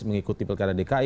mengikuti perkara ini